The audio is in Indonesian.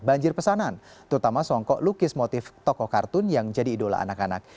banjir pesanan terutama songkok lukis motif tokoh kartun yang jadi idola anak anak